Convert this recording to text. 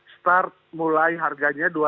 start mulai harganya dua ratus rupiah